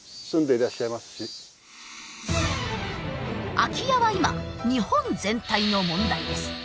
空き家は今日本全体の問題です。